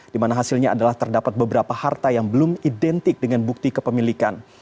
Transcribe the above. dimana hasilnya adalah terdapat beberapa harta yang belum identik dengan bukti kepemilikan